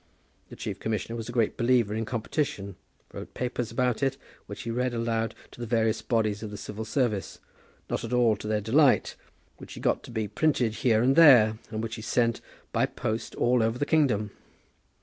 The chief commissioner was a great believer in competition, wrote papers about it, which he read aloud to various bodies of the civil service, not at all to their delight, which he got to be printed here and there, and which he sent by post all over the kingdom.